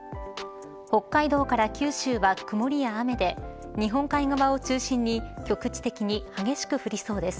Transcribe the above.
北海道から九州は曇りや雨で日本海側を中心に局地的に激しく降りそうです。